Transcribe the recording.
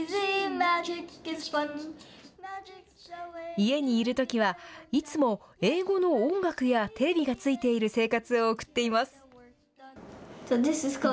家にいるときはいつも英語の音楽やテレビがついている生活を送っています。